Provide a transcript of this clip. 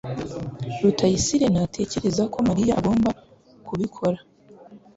rutayisire ntatekereza ko Mariya agomba kubikora.